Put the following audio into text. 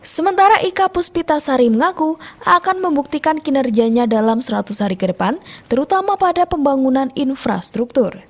sementara ika puspita sari mengaku akan membuktikan kinerjanya dalam seratus hari ke depan terutama pada pembangunan infrastruktur